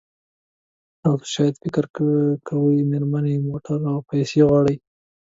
تاسو شاید فکر کوئ مېرمنې موټر او پیسې غواړي.